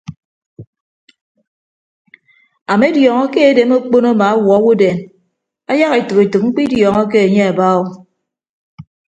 Amediọñọ ke edem okpon ama awuọ owodeen ayak etәk etәk mkpịdiọñọke anye aba o.